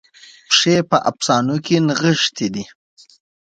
پیښې په افسانو کې نغښتې دي.